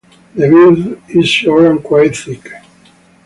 The bill is short and quite thick.